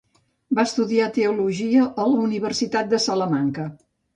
Va estudiar teologia a la Universitat de Salamanca.